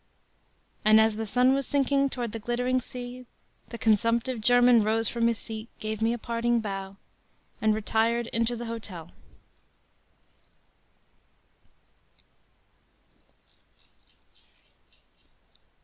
” And as the sun was sinking toward the glittering sea, the consumptive German rose from his seat, gave me a parting bow, and retired into the hotel.